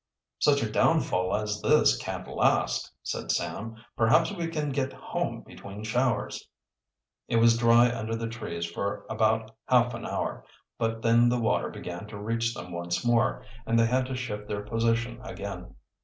"Such a downfall as this can't last," said Sam. "Perhaps we can get home between showers." It was dry under the trees for about half an hour, but then the water began to reach them once more, and they had to shift their position again.